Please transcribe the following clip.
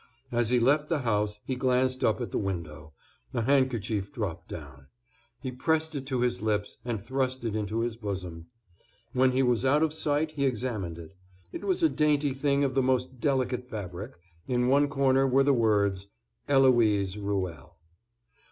As he left the house he glanced up at the window, a handkerchief dropped down; he pressed it to his lips and thrust it into his bosom. When he was out of sight he examined it. It was a dainty thing of the most delicate fabric; in one corner were the words, "Eloise Ruelle."